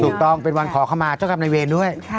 ถูกต้องเป็นวันขอเข้ามาเจ้ากรรมในเวรด้วย